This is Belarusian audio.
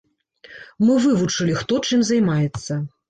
Мы вывучылі, хто чым займаецца.